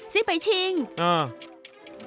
ซิปไอชิงอ้าว